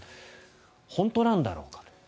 本当なんだろうか